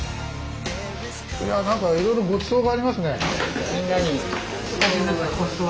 何かいろいろごちそうがありますね！